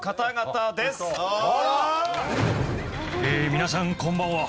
皆さんこんばんは。